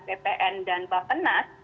ppn dan bapak nas